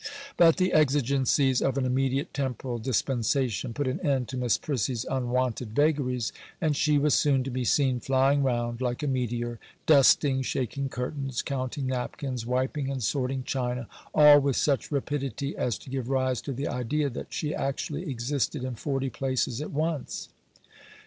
But the exigencies of an immediate temporal dispensation put an end to Miss Prissy's unwonted vagaries, and she was soon to be seen flying round like a meteor, dusting, shaking curtains, counting napkins, wiping and sorting china, all with such rapidity as to give rise to the idea that she actually existed in forty places at once.